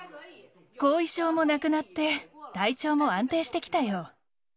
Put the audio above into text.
後遺症もなくなって、体調も安定してきたよ。